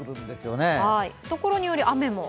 ところにより雨も？